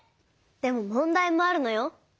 でも問題もあるのよ。